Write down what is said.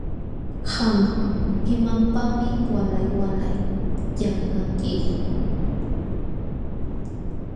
Qam ¿imapaqmi waalay waalay llamkanki?